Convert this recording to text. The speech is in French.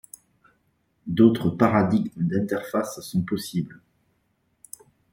D'autres paradigmes d'interfaces sont possibles.